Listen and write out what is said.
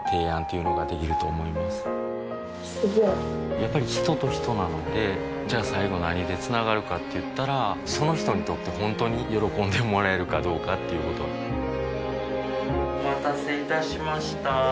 やっぱり人と人なのでじゃあ最後何でつながるかって言ったらその人にとって本当に喜んでもらえるかどうかっていうことお待たせいたしました。